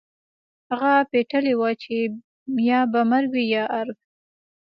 هغه پتېيلې وه چې يا به مرګ وي يا ارګ.